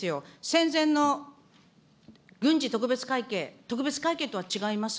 戦前の軍事特別会計、特別会計とは違います。